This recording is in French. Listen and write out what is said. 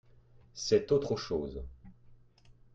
Cette autre chose.